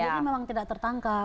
ya dia memang tidak tertangkap